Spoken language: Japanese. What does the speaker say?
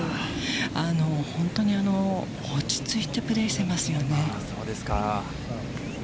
本当に落ちついてプレーしていますよね。